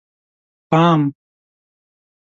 _پام!!!